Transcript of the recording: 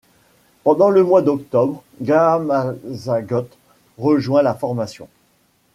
Pendant le mois d'octobre, Gaamalzagoth rejoint la formation.